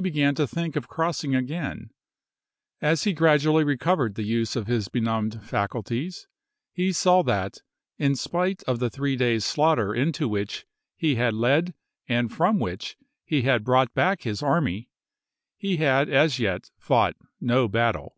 began to think of crossing again ; as he gradually recovered the use of his benumbed faculties he saw that in spite of the three days' slaughter into which he had led and from which he had brought back his army, he had as yet fought no battle.